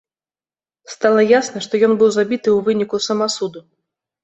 Стала ясна, што ён быў забіты ў выніку самасуду.